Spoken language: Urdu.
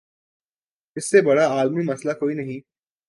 اس سے بڑا عالمی مسئلہ کوئی نہیں۔